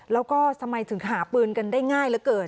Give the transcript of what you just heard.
แล้วก็ทำไมถึงหาปืนกันได้ง่ายเหลือเกิน